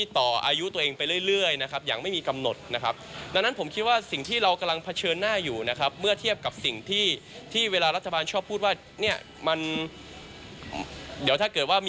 ถึงที่สุดนะครับสิ่งที่กำลังเป็นไปอยู่ไม่ได้ดีขึ้นเลยนะครับ